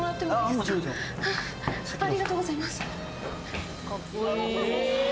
ありがとうございます。